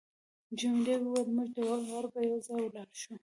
جميلې وويل: موږ دواړه به یو ځای ولاړ شو.